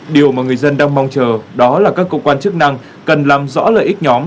điều mà người dân đang mong chờ đó là các cơ quan chức năng cần làm rõ lợi ích nhóm